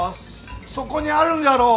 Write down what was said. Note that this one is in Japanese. そこにあるんじゃろう